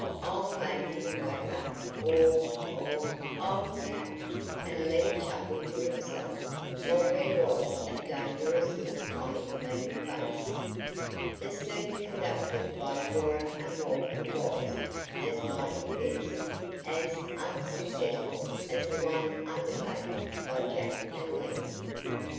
I'll make him whack up or or I'll tell!" and Lem chuckled to himself, while there was a dangerous look on his mean face. The search conducted by Cora and Walter was, as might be guessed, as unsuccessful as the one undertaken by Jack and Lem.